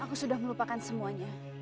aku sudah melupakan semuanya